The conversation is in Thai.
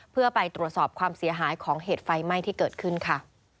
เพื่อไปตรวจสอบความเสียหายของเหตุไฟไหม้ที่เกิดขึ้นค่ะ